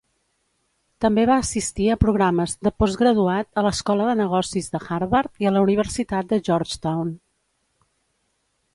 També va assistir a programes de postgraduat a l'Escola de Negocis de Harvard i a la Universitat de Georgetown.